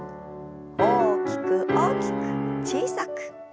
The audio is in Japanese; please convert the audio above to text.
大きく大きく小さく。